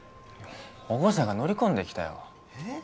保護者が乗り込んできたよえッ？